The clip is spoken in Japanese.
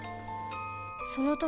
その時